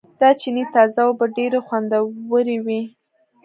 د چينې تازه اوبه ډېرې خوندورېوي